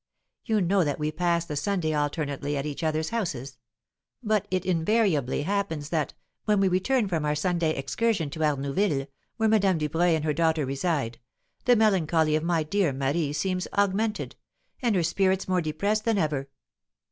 You know that we pass the Sunday alternately at each other's house; but it invariably happens that, when we return from our Sunday excursion to Arnouville, where Madame Dubreuil and her daughter reside, the melancholy of my dear Marie seems augmented, and her spirits more depressed than ever.